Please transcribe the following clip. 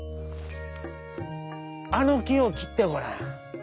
あのきをきってごらん」。